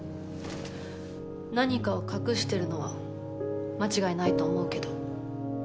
何かを隠してるのは間違いないと思うけど。